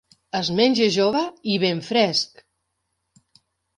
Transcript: Es menja jove i ben fresc.